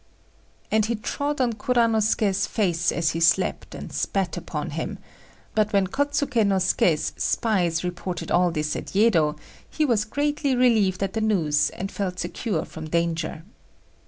] And he trod on Kuranosuké's face as he slept, and spat upon him; but when Kôtsuké no Suké's spies reported all this at Yedo, he was greatly relieved at the news, and felt secure from danger.